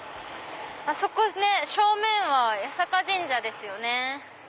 あそこ正面は八坂神社ですよね。